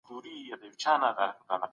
دوی به د پرمختګ نوې لاري ومومي.